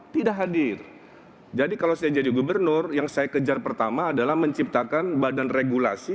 tidak hadir jadi kalau saya jadi gubernur yang saya kejar pertama adalah menciptakan badan regulasi